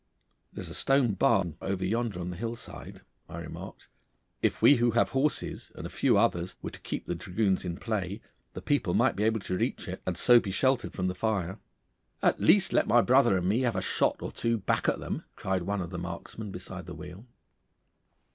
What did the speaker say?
'There is a stone barn over yonder on the hill side,' I remarked. 'If we who have horses, and a few others, were to keep the dragoons in play, the people might be able to reach it, and so be sheltered from the fire.' 'At least let my brother and me have a shot or two back at them,' cried one of the marksmen beside the wheel.